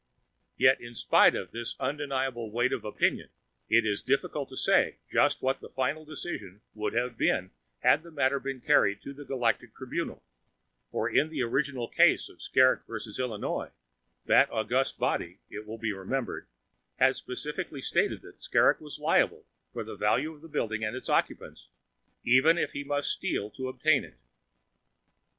Yet, in spite of this undeniable weight of opinion, it is difficult to say just what the final decision would have been had the matter been carried to the Galactic Tribunal, for in the original case of Skrrgck v. Illinois, that august body, it will be remembered, had specifically stated that Skrrgck was liable for the value of the building and its occupants, "even if he must steal to obtain it."